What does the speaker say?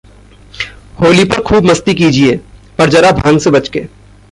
होली पर खूब मस्ती कीजिए, पर जरा भांग से बचके...